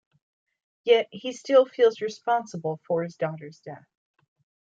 Yet, he still feels responsible for his daughter's death.